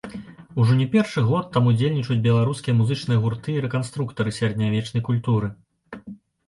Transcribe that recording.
Ужо не першы год там удзельнічаюць беларускія музычныя гурты і рэканструктары сярэднявечнай культуры.